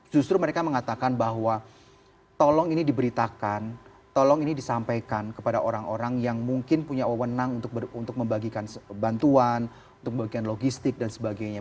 justru mereka mengatakan bahwa tolong ini diberitakan tolong ini disampaikan kepada orang orang yang mungkin punya wewenang untuk membagikan bantuan untuk membagikan logistik dan sebagainya